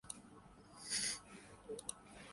جیسے ان کی طاقت لامحدود ہو گئی ہے۔